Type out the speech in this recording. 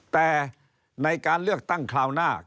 แต่ในการเลือกตั้งคราวหน้า